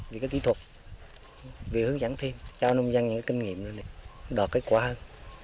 vì cái kỹ thuật vì hướng dẫn thêm cho nông dân những kinh nghiệm đòi kết quả hơn